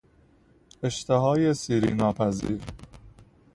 اشتهای سیری ناپذیر